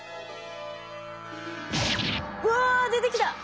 うわ出てきた！